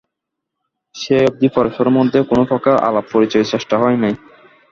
সেই অবধি পরস্পরের মধ্যে কোনোপ্রকার আলাপ-পরিচয়ের চেষ্টা হয় নাই।